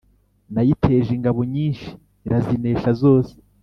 nayiteje ingabo nyinshi irazinesha zose